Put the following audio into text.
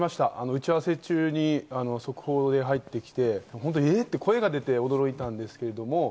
打ち合わせ中に速報で入ってきて、声が出て驚いたんですけれども。